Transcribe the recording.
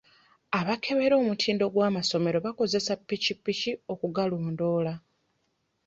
Abakebera omutindo gw'amasomero bakozesa ppikippiki okugalondoola.